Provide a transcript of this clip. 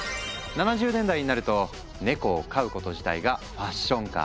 ７０年代になるとネコを飼うこと自体がファッション化。